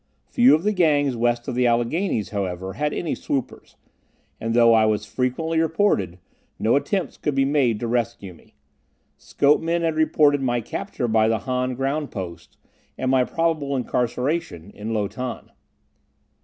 Few of the Gangs west of the Alleghanies, however, had any swoopers, and though I was frequently reported, no attempts could be made to rescue me. Scopemen had reported my capture by the Han ground post, and my probable incarceration in Lo Tan.